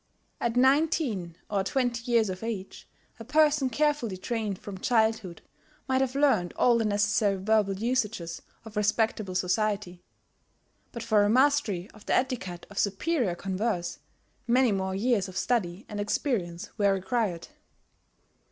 At nineteen or twenty years of age a person carefully trained from childhood might have learned all the necessary verbal usages of respectable society; but for a mastery of the etiquette of superior converse many more years of study and experience were required.